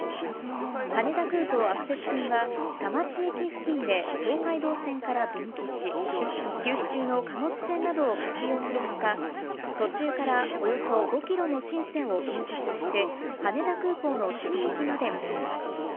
羽田空港アクセス線は、田町駅付近で東海道線から分岐し、休止中の貨物船などを活用するほか、途中からおよそ５キロの新線を建設して、羽田空港の新駅まで結びます。